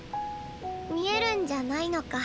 見えるんじゃないのか。